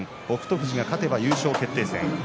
富士が勝てば優勝決定戦です。